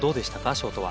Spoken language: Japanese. ショートは。